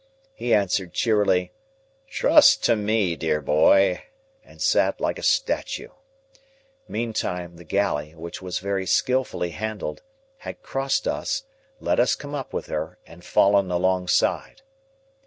He answered cheerily, "Trust to me, dear boy," and sat like a statue. Meantime the galley, which was very skilfully handled, had crossed us, let us come up with her, and fallen alongside.